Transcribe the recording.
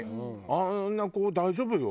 あんな子大丈夫よ。